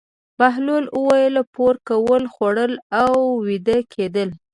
بهلول وویل: پور کول، خوړل او ویده کېدل.